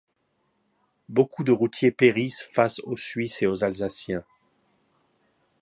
Beaucoup de routiers périssent face aux Suisses et aux Alsaciens.